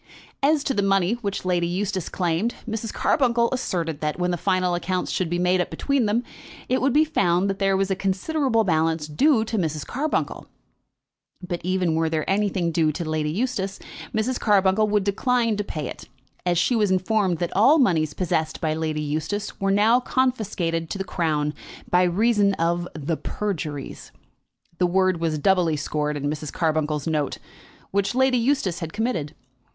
As to the money which Lady Eustace claimed, Mrs. Carbuncle asserted that, when the final accounts should be made up between them, it would be found that there was a considerable balance due to Mrs. Carbuncle. But even were there anything due to Lady Eustace, Mrs. Carbuncle would decline to pay it, as she was informed that all moneys possessed by Lady Eustace were now confiscated to the Crown by reason of the PERJURIES, the word was doubly scored in Mrs. Carbuncle's note, which Lady Eustace had committed.